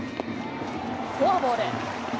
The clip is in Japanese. フォアボール。